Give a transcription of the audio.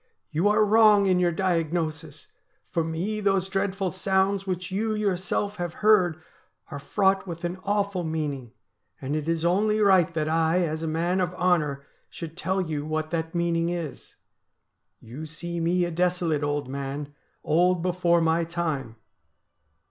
'You are wrong in your diagnosis ; for me those dreadful sounds which you yourself have heard are fraught with an awful meaning, and it is only right that I, as a man of honour, should tell you what that meaning is. You see me a desolate old man — old before my time.